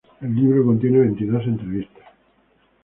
El libro contiene veintidós entrevistas.